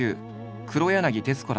黒柳徹子ら